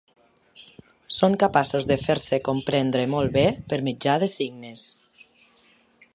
Són capaços de fer-se comprendre molt bé per mitjà de signes.